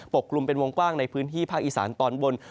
กลุ่มเป็นวงกว้างในพื้นที่ภาคอีสานตอนบน